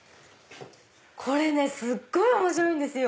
これすっごい面白いんですよ。